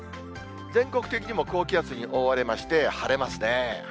全国的にも高気圧に覆われまして、晴れますね。